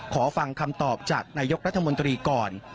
ขอฟังคำตอบจากนายกรัฐมนตรีก่อน